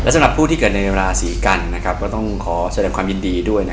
สำหรับผู้ที่เกิดในราศีกันก็ต้องขอแสดงความยินดีด้วย